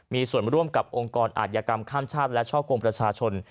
มีส่วนร่วมกับองค์กรอาธิกรรมข้ามชาติและช่อกงประชาชน